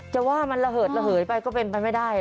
จะว่ามันระเหิดระเหยไปก็เป็นไปไม่ได้